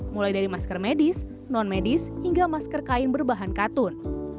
mulai dari masker medis non medis hingga masker kain berbahan katun